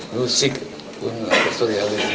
musik pun ada surrealism